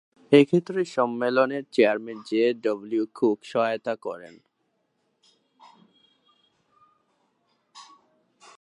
এক্ষেত্রে সম্মেলনের chairman J W Cook সহায়তা করেন।